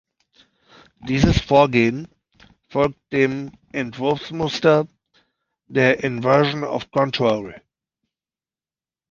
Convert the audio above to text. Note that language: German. Dieses Vorgehen folgt dem Entwurfsmuster der "Inversion of Control".